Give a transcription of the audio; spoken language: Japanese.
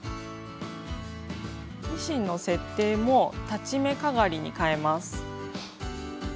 ミシンの設定も裁ち目かがりにかえます。